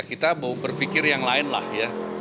kita berpikir yang lain lah ya